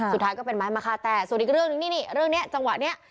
สุดท้ายก็เป็นไม้มะค่าแต้ส่วนอีกเรื่องหนึ่งนี่นี่เรื่องนี้จังหวะนี้